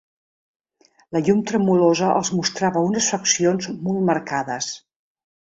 La llum tremolosa els mostrava unes faccions molt marcades.